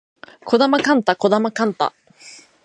児玉幹太児玉幹太